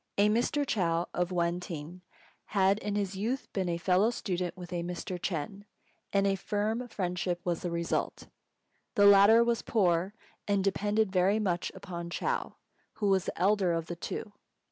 A Mr. Chou, of Wên têng, had in his youth been fellow student with a Mr. Ch'êng, and a firm friendship was the result. The latter was poor, and depended very much upon Chou, who was the elder of the two.